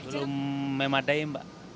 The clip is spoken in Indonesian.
belum memadai mbak